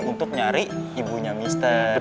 untuk nyari ibunya mister